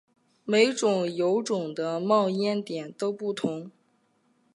每种油种的冒烟点都不同。